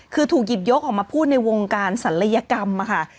คือถูกหยิบยกออกมาพูดในวงการศัลยกรรมค่ะ